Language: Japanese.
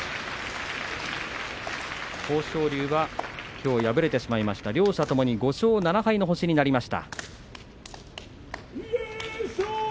豊昇龍はきょう敗れてしまいました。両者ともに５勝７敗の星です。